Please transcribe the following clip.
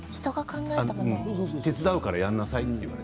手伝うからやりなさいと。